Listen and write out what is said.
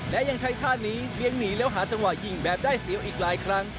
และยังใช้ท่านี้เลี้ยงหนีแล้วหาจังหวะยิงแบบได้เสียวอีกหลายครั้ง